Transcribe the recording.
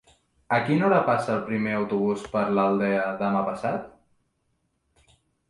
A quina hora passa el primer autobús per l'Aldea demà passat?